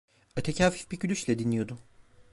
Öteki hafif bir gülüşle dinliyordu.